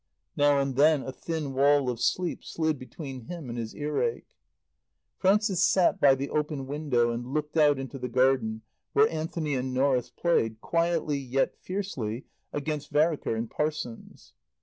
Now and then a thin wall of sleep slid between him and his earache. Frances sat by the open window and looked out into the garden where Anthony and Norris played, quietly yet fiercely, against Vereker and Parsons.